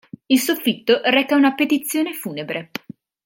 Il soffitto reca una petizione funebre.